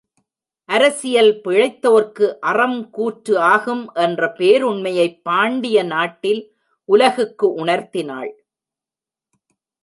அரசியல் பிழைத்தோர்க்கு அறம் கூற்று ஆகும் என்ற பேருண்மையைப் பாண்டிய நாட்டில் உலகுக்கு உணர்த்தி னாள்.